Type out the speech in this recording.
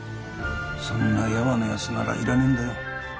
そんなヤワなやつならいらねえんだよ